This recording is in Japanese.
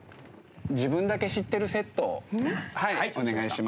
自分だけ知ってるセットお願いします。